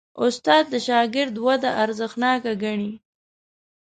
استاد د شاګرد وده ارزښتناک ګڼي.